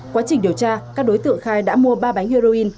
quá trình điều tra các đối tượng khai đã mua ba bánh heroin